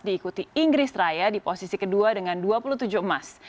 diikuti inggris raya di posisi kedua dengan dua puluh tujuh emas